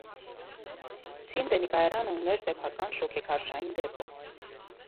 Ցինտենի կայարանը ուներ սեփական շոգեքարշային դեպո։